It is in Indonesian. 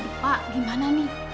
aduh pak gimana nih